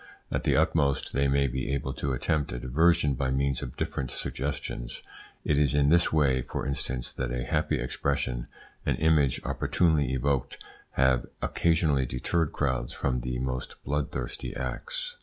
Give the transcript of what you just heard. At the utmost, they may be able to attempt a diversion by means of different suggestions. It is in this way, for instance, that a happy expression, an image opportunely evoked, have occasionally deterred crowds from the most bloodthirsty acts.